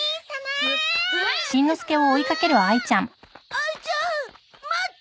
あいちゃん待って！